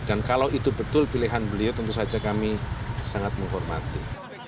dan kalau itu betul pilihan beliau tentu saja kami sangat menghormati